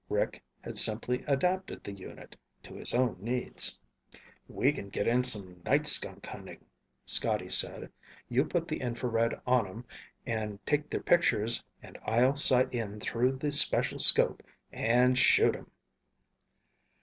Rick had simply adapted the unit to his own needs. "We can get in some night skunk hunting," Scotty said. "You put the infrared on 'em and take their pictures and I'll sight in through the special 'scope and shoot 'em."